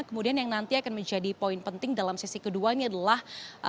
kemudian yang nanti akan menjadi poin penting dalam sesi kedua ini adalah